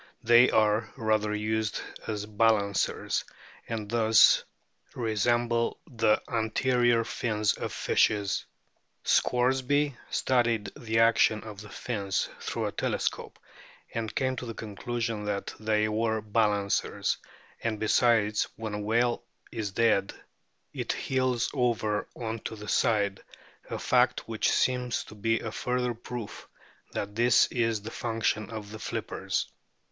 They are rather used as balancers, and thus resemble the anterior fins of fishes. Scoresby studied the action of the fins through a telescope, and came to the conclusion that they were balancers ; and besides, when a whale is dead it heels over on to the side, a fact which seems to be a further proof that this is the function of the flippers.